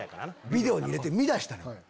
ビデオに入れて見だしたのよ。